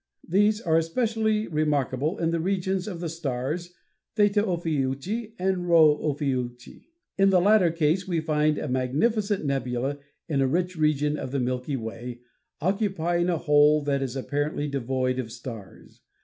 These are especially remarkable in the regions of the stars Theta Ophiuchi and Rho Ophiuchi. In the latter case we find a magnificent nebula in a rich region of the Milky Way occupying a hole that is apparently devoid of stars.